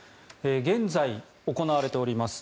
現在、行われております